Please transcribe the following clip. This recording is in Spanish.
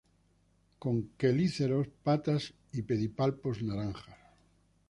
Con quelíceros, patas y pedipalpos naranjas.